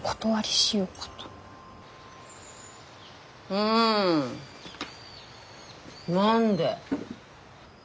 うん何で？